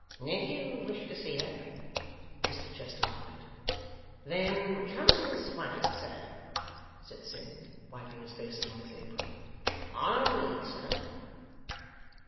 Did you wish to see her?' Mr Chester nodded. 'Then come this way, sir,' said Sim, wiping his face upon his apron. 'Follow me, sir.